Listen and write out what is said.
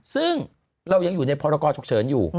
ซึ่งเรายังอยู่ในพรกรฉุกเฉินอยู่